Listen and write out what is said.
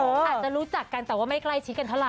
อาจจะรู้จักกันแต่ว่าไม่ใกล้ชิดกันเท่าไ